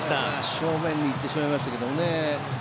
正面にいってしまいましたけどね。